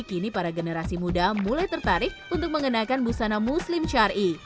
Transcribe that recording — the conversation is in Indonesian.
kini para generasi muda mulai tertarik untuk mengenakan busana muslim syari